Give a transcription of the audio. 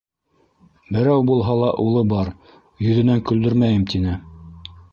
Берәү булһа ла улы бар, йөҙөнән көлдөрмәйем тине.